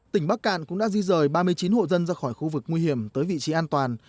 tỉnh bắc cạn cũng đã di rời ba mươi chín hộ dân ra khỏi khu vực nguy hiểm tới vị trí an toàn